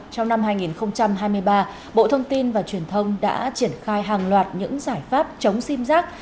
trong năm hai nghìn hai mươi ba bộ thông tin và truyền thông đã triển khai hàng loạt những giải pháp chống sim giác